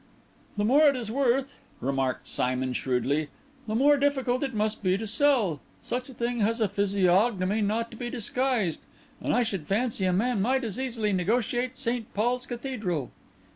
"The more it is worth," remarked Simon shrewdly, "the more difficult it must be to sell. Such a thing has a physiognomy not to be disguised, and I should fancy a man might as easily negotiate St. Paul's Cathedral."